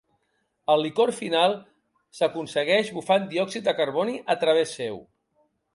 El licor final s'aconsegueix bufant diòxid de carboni a través seu.